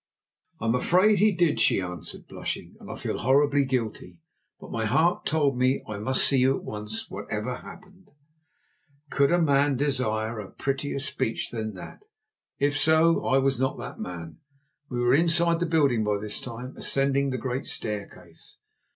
"I'm afraid he did," she answered, blushing, "and I feel horribly guilty. But my heart told me I must see you at once, whatever happened." Could any man desire a prettier speech than that? If so, I was not that man. We were inside the building by this time, ascending the great staircase.